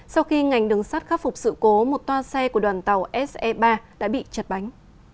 sau khi ngành đường sắt khắc phục sự cố một toa xe của đoàn tàu se ba đã bị chật bánh